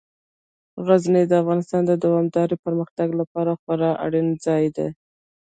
غزني د افغانستان د دوامداره پرمختګ لپاره خورا اړین ځای دی.